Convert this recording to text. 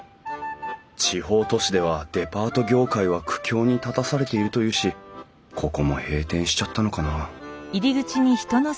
地方都市ではデパート業界は苦境に立たされているというしここも閉店しちゃったのかな？